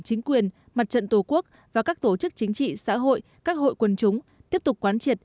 chính quyền mặt trận tổ quốc và các tổ chức chính trị xã hội các hội quân chúng tiếp tục quán triệt